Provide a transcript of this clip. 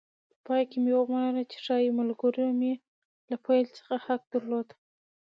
په پای کې مې ومنله چې ښایي ملګرو مې له پیل څخه حق درلود.